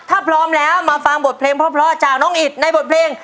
ถ้าพร้อมแล้วมาฟังบทเพลงเพราะจากน้องอิดในบทเพลง